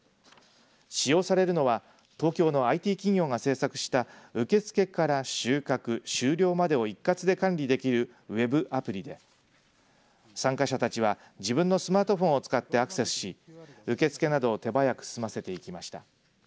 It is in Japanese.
使用されるのは東京のＩＴ企業が制作した受け付けから収穫、終了までを一括で管理できるウェブアプリで参加者たちは自分のスマートフォンを使ってアクセスし受け付けなどを手早く済ませていました。